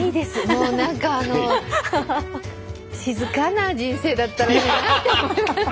もう何かあの静かな人生だったらいいなって思います。